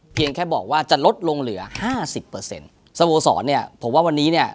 เพียงแค่บอกว่าจะลดลงเหลือ๕๐สโบสรเนี่ยผมว่าวันนี้เนี่ย